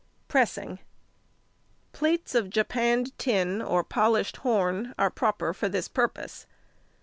Pressing.—Plates of japanned tin or polished horn are proper for this purpose.